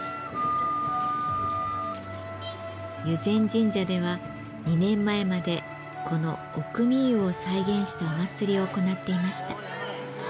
湯前神社では２年前までこの御汲湯を再現したお祭りを行っていました。